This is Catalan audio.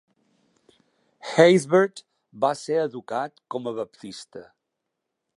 Haysbert va ser educat com a Baptista.